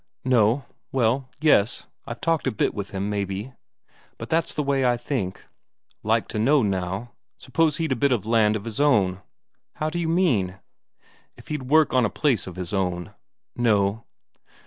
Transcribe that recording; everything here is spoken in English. "No well, yes, I've talked a bit with him, maybe. But that's the way I think." "Like to know, now suppose he'd a bit of land of his own...." "How do you mean?" "If he'd work on a place of his own?" "No."